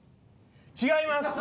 違います！